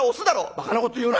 「ばかなこと言うな！